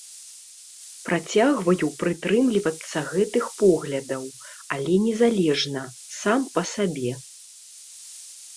Працягваю прытрымлівацца гэтых поглядаў, але незалежна, сам па сабе.